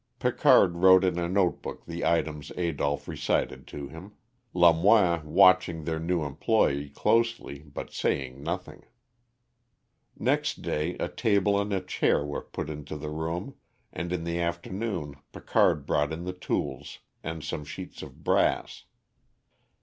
Picard wrote in a note book the items Adolph recited to him, Lamoine watching their new employee closely, but saying nothing. Next day a table and a chair were put into the room, and in the afternoon Picard brought in the tools and some sheets of brass.